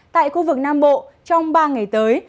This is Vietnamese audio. tại khu vực nam bộ trong ba ngày tới